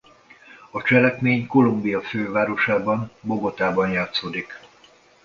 A cselekmény Kolumbia fővárosában Bogotában játszódik.